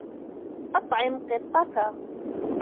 أَطْعِمْ قِطَّكَ.